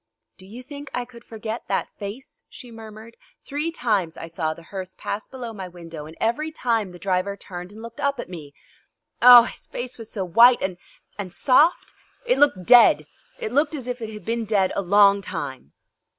"Do you think I could forget that face?" she murmured. "Three times I saw the hearse pass below my window, and every time the driver turned and looked up at me. Oh, his face was so white and and soft? It looked dead it looked as if it had been dead a long time."